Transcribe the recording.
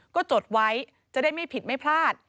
ก็จดไว้จะได้ไม่ผิดไม่พลาด